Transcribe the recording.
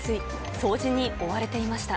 掃除に追われていました。